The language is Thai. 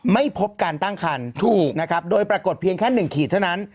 ไม่พบการตั้งคันถูกนะครับโดยปรากฏเพียงแค่๑ขีดเท่านั้น